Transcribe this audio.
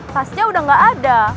tasnya udah gak ada